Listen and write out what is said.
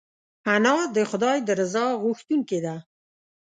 انا د خدای د رضا غوښتونکې ده